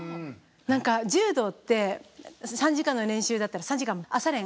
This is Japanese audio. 何か柔道って３時間の練習だったら３時間朝練？